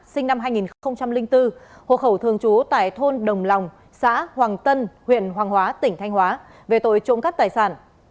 sinh năm hai nghìn bốn hồ khẩu thường trú tại thôn đồng lòng xã hoàng tân huyện hoàng hóa tỉnh thanh hóa về tội trộm cắp tài sản